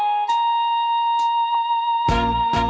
กายจ้าหลบหน้าไปก็ก็ห้อง